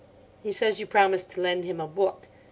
He says you promised to lend him a book.